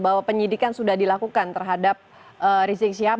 bahwa penyidikan sudah dilakukan terhadap rizik syihab